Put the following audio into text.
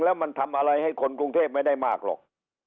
แล้วมันทำอะไรให้คนกรุงเทพไม่ได้มากหรอก